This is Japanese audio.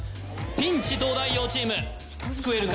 ピンチ東大王チーム救えるか？